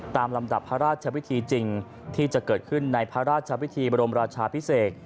ลำดับพระราชวิธีจริงที่จะเกิดขึ้นในพระราชพิธีบรมราชาพิเศษ